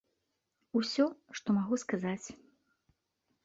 Усё, што магу сказаць.